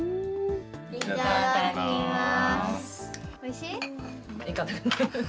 いただきます。